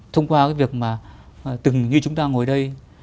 thông qua cái việc mà từng như chúng ta ngồi đây